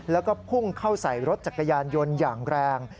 แล้วก็พุ่งเข้าใส่รถจักรยานยนต์อย่างแรง